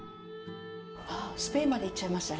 ああスペインまで行っちゃいましたね。